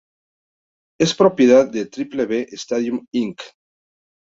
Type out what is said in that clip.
Es propiedad de "Triple B Stadium Inc.